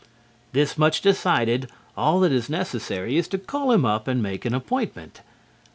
This much decided, all that is necessary is to call him up and make an appointment.